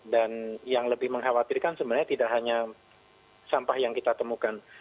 dan yang lebih mengkhawatirkan sebenarnya tidak hanya sampah yang kita temukan